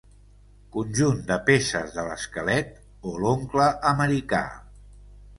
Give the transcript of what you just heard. Conjunt de peces de l'esquelet o l'oncle americà.